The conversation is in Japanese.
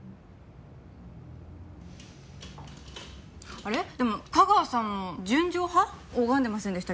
あれでも架川さんも『純情派』拝んでませんでしたっけ？